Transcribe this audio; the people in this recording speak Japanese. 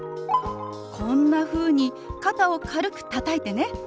こんなふうに肩を軽くたたいてね。